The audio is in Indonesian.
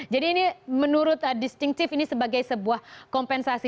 jadi ini menurut distinctive ini sebagai sebuah kompensasi